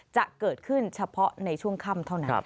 จะเกิดขึ้นเฉพาะในช่วงค่ำเท่านั้น